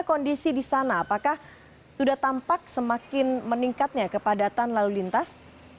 kondisi di sana apakah sudah tampak semakin meningkatnya kepadatan lalu lintas